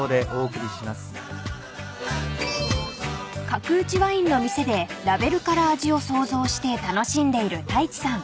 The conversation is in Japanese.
［角打ちワインの店でラベルから味を想像して楽しんでいる太一さん］